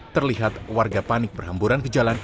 terlihat warga panik berhamburan ke jalan